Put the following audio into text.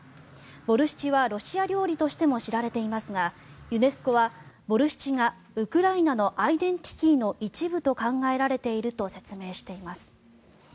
ボルシチはロシア料理としても知られていますがユネスコはボルシチがウクライナのアイデンティティーの一部と考えられていると説明しています。